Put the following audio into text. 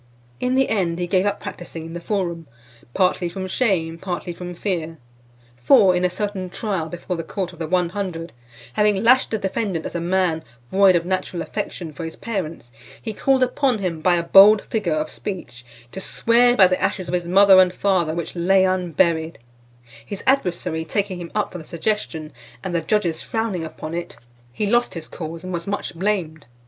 In the end, he gave up practising in the forum, partly from shame, partly from fear. For, in a certain trial before the court of the One Hundred , having lashed the defendant as a man void of natural affection for his parents, he called upon him by a bold figure of speech, "to swear by the ashes of his father and mother which lay unburied;" his adversary taking him up for the suggestion, and the judges frowning upon it, he lost his cause, and was much blamed.